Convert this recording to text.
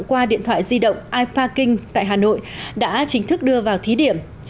qua điện thoại di động iparking tại hà nội đã chính thức đưa vào thí điểm